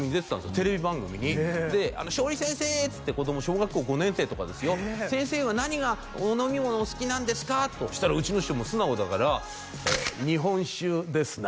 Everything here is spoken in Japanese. テレビ番組にで「松鯉先生！」っつって子供小学校５年生とかですよ「先生は何がお飲み物お好きなんですか？」とそしたらうちの師匠も素直だから「日本酒ですな」